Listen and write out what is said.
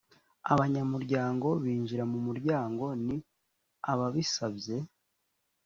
abanyamuryango binjira mu muryango ni ababisabye